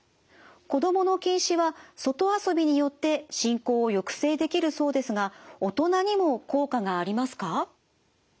子どもの近視は外遊びによって進行を抑制できるそうですが大人にも効果がありますか？